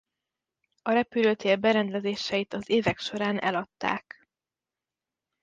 A repülőtér berendezéseit az évek során eladták.